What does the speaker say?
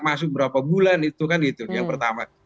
masuk berapa bulan itu kan gitu yang pertama